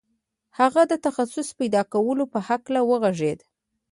هغه د تخصص پیدا کولو په هکله وغږېد